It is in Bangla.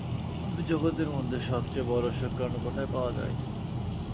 উদ্ভিদজগতের মধ্যে সবচেয়ে বড় শুক্রাণু পাওয়া যায় কোথায়?